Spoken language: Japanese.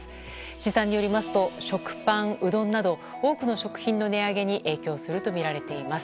試算によりますと食パン、うどんなど多くの食品の値上げに影響するとみられています。